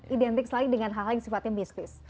identik selalu dengan hal hal yang sifatnya biskuit